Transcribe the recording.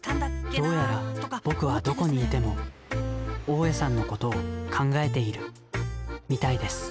どうやら僕はどこにいても大家さんのことを考えているみたいです